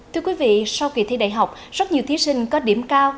thưa quý vị sau kỳ thi đại học rất nhiều thí sinh có điểm cao